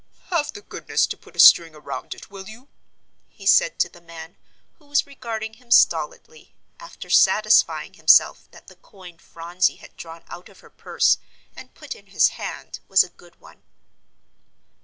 "Have the goodness to put a string around it, will you?" he said to the man who was regarding him stolidly, after satisfying himself that the coin Phronsie had drawn out of her purse and put in his hand was a good one.